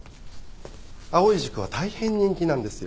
藍井塾は大変人気なんですよ。